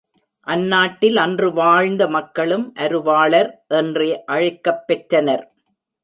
அந்நாட்டில் அன்று வாழ்ந்த மக்களும் அருவாளர் என்றே அழைக்கப் பெற்றனர்.